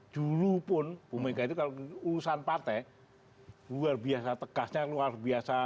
julupun ibu mega itu kalau urusan partai luar biasa tegasnya luar biasa